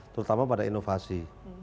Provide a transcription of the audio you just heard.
terutama pada inovasi